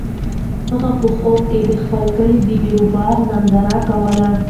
هغه په خوب کې د خپل کلي د بیروبار ننداره کوله.